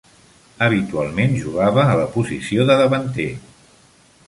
Habitualment jugava a la posició de davanter.